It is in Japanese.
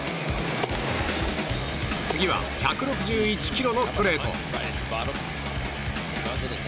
次は、１６１キロのストレート！